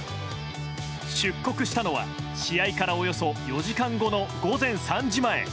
出国したのは試合からおよそ４時間後の午前３時前。